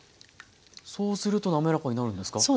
そうすると滑らかになるんですか？